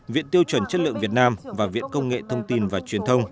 viện tiêu chuẩn chất lượng việt nam và viện công nghệ thông tin và truyền thông